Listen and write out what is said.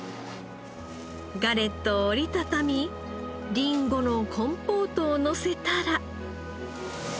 ガレットを折り畳みりんごのコンポートをのせたら。